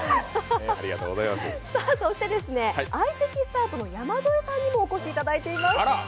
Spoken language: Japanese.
そして、相席スタートの山添さんにもお越しいただいています。